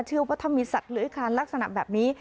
เชื่อว่าถ้ามีสัตว์เลื้อยคลานลักษณะแบบนี้